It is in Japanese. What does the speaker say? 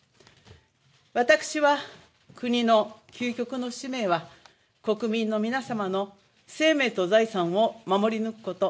私は、国の究極の使命は国民の皆様の生命と財産を守り抜くこと。